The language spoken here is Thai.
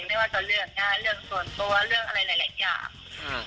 ไม่ว่าจะเรื่องหน้าเรื่องส่วนตัวเรื่องอะไรหลายอย่าง